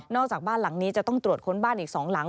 จากบ้านหลังนี้จะต้องตรวจค้นบ้านอีก๒หลัง